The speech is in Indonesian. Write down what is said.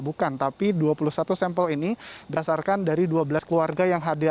bukan tapi dua puluh satu sampel ini berdasarkan dari dua belas keluarga yang hadir